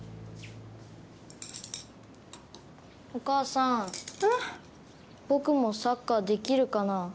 お母さん、僕もサッカーできるかな？